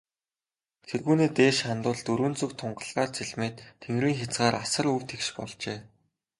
Тэргүүнээ дээш хандвал, дөрвөн зүг тунгалгаар цэлмээд, тэнгэрийн хязгаар асар өв тэгш болжээ.